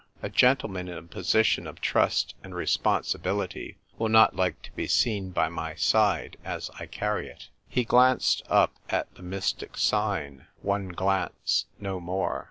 A Gentleman in a position of Trust and Respon sibility will not like to be seen by my side as I carry it." He glanced up at the mystic sign — one glance, no more.